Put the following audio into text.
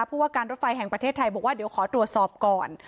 ผู้ว่าการรถไฟแห่งประเทศไทยบอกว่าเดี๋ยวขอตรวจสอบก่อน